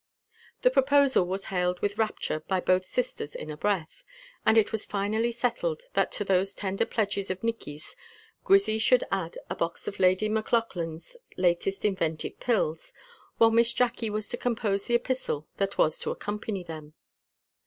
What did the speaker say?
The proposal was hailed with rapture by both sisters in a breath; and it was finally settled that to those tender pledges of Nicky's, Grizzy should add a box of Lady Maclaughlan's latest invented pills, while Miss Jacky was to compose the epistle that was to accompany them.